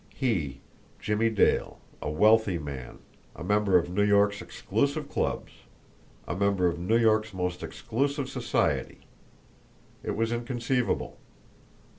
He, Jimmie Dale, a wealthy man, a member of New York's exclusive clubs, a member of New York's most exclusive society! It was inconceivable.